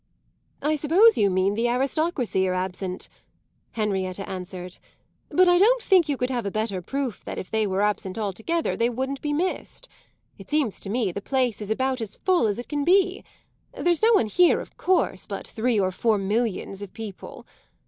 "I suppose you mean the aristocracy are absent," Henrietta answered; "but I don't think you could have a better proof that if they were absent altogether they wouldn't be missed. It seems to me the place is about as full as it can be. There's no one here, of course, but three or four millions of people.